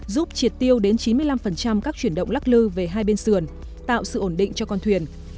giúp triệt tiêu đến chín mươi năm các chuyển động lắc lư về hai bên sườn tạo sự ổn định cho con thuyền